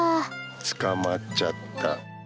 捕まっちゃった。